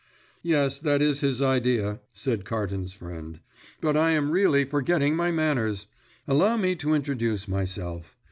"Yes, that is his idea," said Carton's friend; "but I am really forgetting my manners. Allow me to introduce myself.